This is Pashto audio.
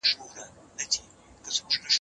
زما ستا ډېر يادېده.